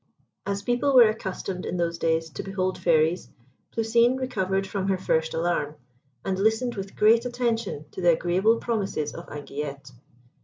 As people were accustomed in those days to behold Fairies, Plousine recovered from her first alarm, and listened with great attention to the agreeable promises of Anguillette.